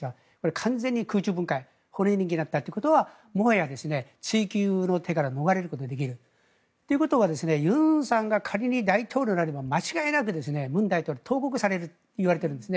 完全に空中分解になったということはもはや追及の手から逃れることができる。ということはユンさんが仮に大統領になれば間違いなく文大統領は投獄されるといわれていたんですね。